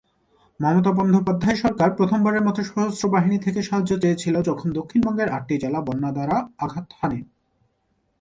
মমতা বন্দ্যোপাধ্যায় সরকার প্রথমবারের মতো সশস্ত্র বাহিনী থেকে সাহায্য চেয়েছিল যখন দক্ষিণ বঙ্গের আটটি জেলা বন্যা দ্বারা আঘাত হানে।